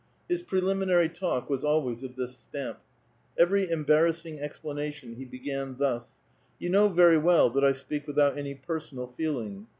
His preliminary talk was always of this stamp. Every embar rassing explanation he began thus :—" You know very well that I speak without any personal feeling.